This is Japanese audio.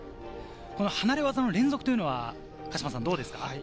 離れ技の連続というのはどうですか？